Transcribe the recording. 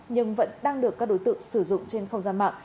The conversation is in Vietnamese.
nhưng vẫn đang được các đối tượng sử dụng trên không gian mạng